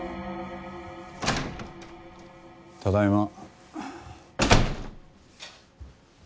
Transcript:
ただいま。